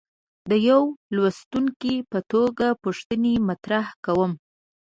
د یوه لوستونکي په توګه پوښتنې مطرح کوم.